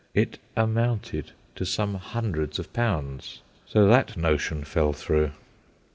It amounted to some hundreds of pounds. So that notion fell through.